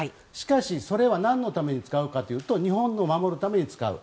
それは何のために使うかというと日本を守るために使う。